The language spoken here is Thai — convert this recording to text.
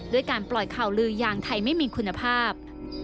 ด้วยการปล่อยข่าวลือยางไทยไม่มีคุณภาพ